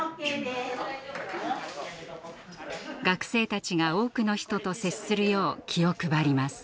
学生たちが多くの人と接するよう気を配ります。